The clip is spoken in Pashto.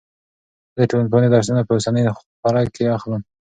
زه د ټولنپوهنې درسونه په اوسنۍ خوره کې اخلم.